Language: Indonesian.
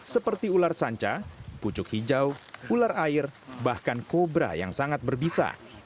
seperti ular sanca pucuk hijau ular air bahkan kobra yang sangat berbisa